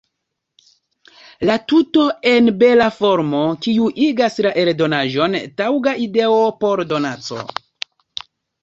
La tuto en bela formo, kiu igas la eldonaĵon taŭga ideo por donaco.